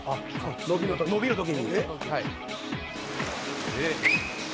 「伸びの時に」